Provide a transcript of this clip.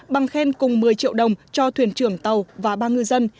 bằng khen cùng một mươi triệu đồng cho thuyền trưởng tàu và ba ngư dân